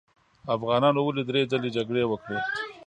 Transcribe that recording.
افغانانو ولې درې ځلې جګړې وکړې.